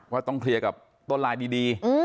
ว่าต้องเคลียร์กับต้นลายดี